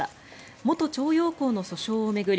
元徴用工の訴訟を巡り